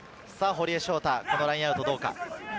堀江翔太、ラインアウトはどうか？